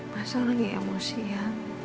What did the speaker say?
masalahnya emosi ya